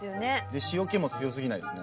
塩気も強過ぎないですね。